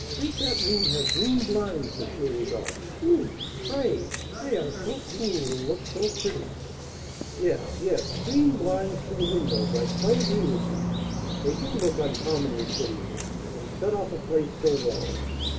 "Make that room have green blinds, M. Rodolph, do, pray; they are so cool, and look so pretty!" "Yes, yes, green blinds to the windows. I quite agree with you, they do look uncommonly pretty, and set off a place so well!